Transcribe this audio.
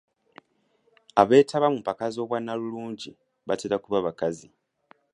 Abeetaba mu mpaka z'obwannalulungi batera kuba bakazi.